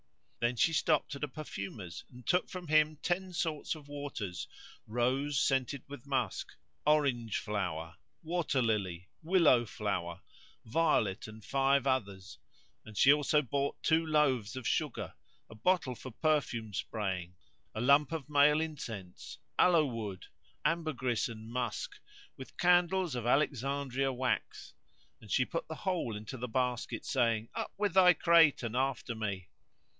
Then she stopped at a perfumer's and took from him ten sorts of waters, rose scented with musk, orange flower, water lily, willow flower, violet and five others; and she also bought two loaves of sugar, a bottle for perfume spraying, a lump of male incense, aloe wood, ambergris and musk, with candles of Alexandria wax; and she put the whole into the basket, saying, "Up with thy crate and after me."